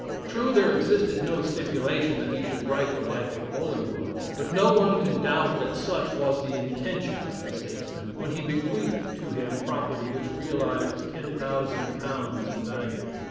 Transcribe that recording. True, there existed no stipulation that he should write the Life of Bolingbroke, but no one can doubt that such was the intention of the statesman, when he bequeathed to him property which realized £10,000 in value.